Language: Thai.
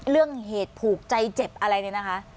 เรื่องเหตุผูกใจเจ็บอะไรเลยนะคะ